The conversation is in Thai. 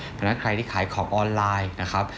ดังนั้นใครที่ขายของออนไลน์นะครับ